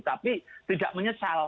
tapi tidak menyesal